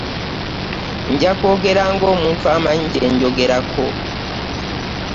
Nja kwogera ng'omuntu amanyi kye njogerako.